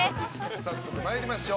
早速、参りましょう。